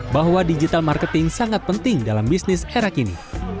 bahwa digital marketing sangat penting dalam bisnis era kini